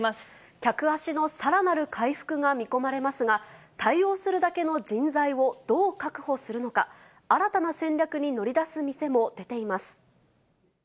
客足のさらなる回復が見込まれますが、対応するだけの人材をどう確保するのか、新たな戦略に乗り出す店も出ています。